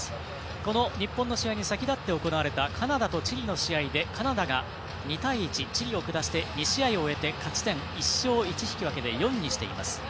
この日本の試合に先立って行われたカナダとチリの試合でカナダが２対１チリを下して２試合を終えて１勝１引き分けで勝ち点を４にしています。